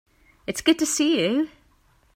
It's good to see you.